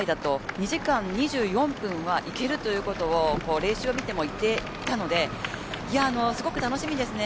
２時間２４分はいけるということを練習を見ても言っていたのですごく楽しみですね。